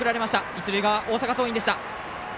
一塁側、大阪桐蔭でした。